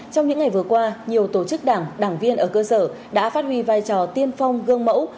trong những ngày vừa qua nhiều tổ chức đảng đảng viên ở cơ sở đã phát huy vai trò tiên phong gương mẫu